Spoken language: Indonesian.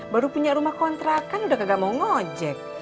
baru punya rumah kontrakan udah kagak mau ngojek